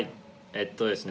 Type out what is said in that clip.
えっとですね